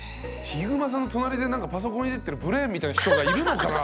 ひぐまさんの隣でパソコンいじってるブレーンみたいな人がいるのかな？